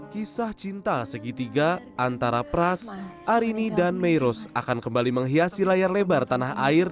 kisah cinta segitiga antara pras arini dan meirus akan kembali menghiasi layar lebar tanah air